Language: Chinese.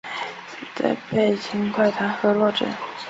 再被秦桧弹劾落职。